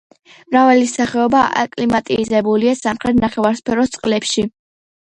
მრავალი სახეობა აკლიმატიზებულია სამხრეთ ნახევარსფეროს წყლებში.